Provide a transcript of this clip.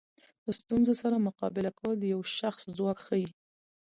له ستونزو سره مقابله کول د یو شخص ځواک ښیي.